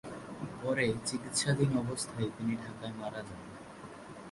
পরে চিকিৎসাধীন অবস্থায় তিনি ঢাকায় মারা যান।